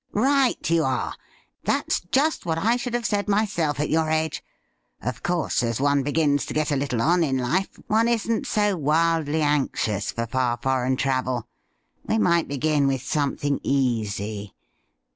'Right you are. That's just what I should have said myself at your age. Of course, as one begins to get a little on in life, one isn't so wildly anxious for far foreign travel. We might begin with something easy.